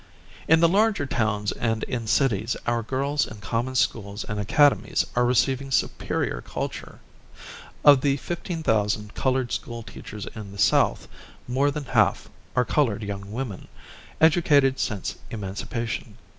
In the larger towns and in cities our girls in common schools and academies are receiving superior culture. Of the 15,000 colored school teachers in the South, more than half are colored young women, educated since emancipation.